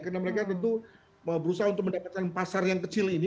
karena mereka tentu berusaha untuk mendapatkan pasar yang kecil ini